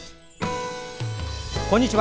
こんにちは。